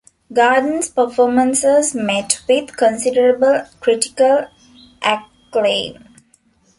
Garden's performances met with considerable critical acclaim.